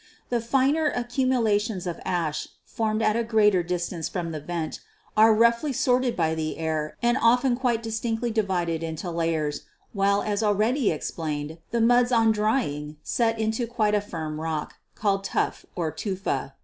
The finer accumulations of ash, formed at a greater dis tance from the vent, are roughly sorted by the air and often quite distinctly divided into layers, while, as already ex plained, the muds on drying set into quite a firm rock, called 'tuff' or 'tufa.'